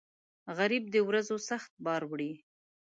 غریب د ورځو سخت بار وړي